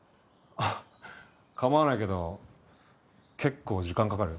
構わないけど結構時間かかるよ